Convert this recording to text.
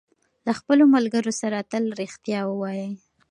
له خپلو ملګرو سره تل رښتیا ووایئ.